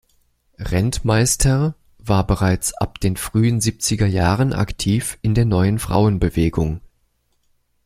Rentmeister war bereits ab den frühen siebziger Jahren aktiv in der neuen Frauenbewegung.